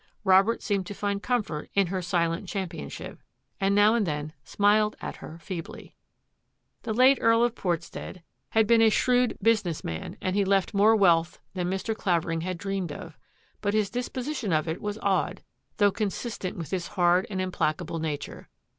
Robert seemed to find comfort in her silent championship, and now and then smiled at her feebly. The late Earl of Portstead had been a shrewd PORTSTEAD'S WILL 189 business man and he left more wealth than Mr. Clavering had dreamed of, but his disposition of it was odd, though consistent with his hard and implacable nature.